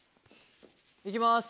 行きます。